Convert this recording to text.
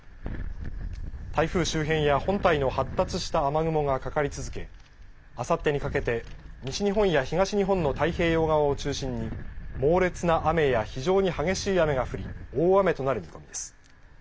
台風周辺や本体の発達した雨雲がかかり続け、あさってにかけて西日本や東日本の太平洋側を中心に猛烈な雨や非常に激しい雨が降り大雨となる見込みです。